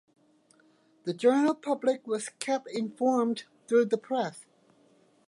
The general public was kept informed through the press.